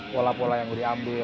pola pola yang diambil